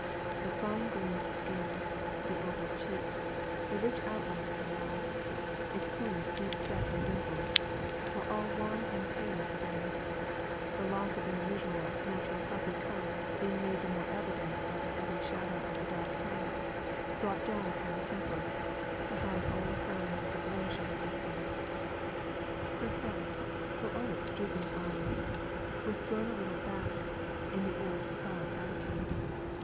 The fine grained skin, the oval cheek, the rich outline of her mouth, its corners deep set in dimples, were all wan and pale to day; the loss of their usual natural healthy colour being made more evident by the heavy shadow of the dark hair, brought down upon her temples, to hide all sign of the blow she had received. Her head, for all its drooping eyes, was thrown a little back, in the old proud attitude.